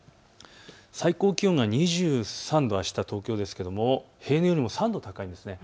最高気温が２３度、あした、東京ですが平年よりも３度高いんです。